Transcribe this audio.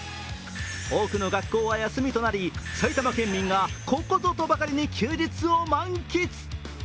多くの学校は休みとなり埼玉県民がここぞとばかりに休日を満喫。